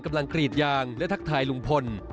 กำลังกลีดยางและทักทายลุงพล